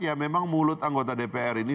ya memang mulut anggota dpr ini